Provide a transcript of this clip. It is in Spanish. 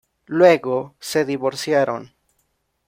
Luego, se divorciaron.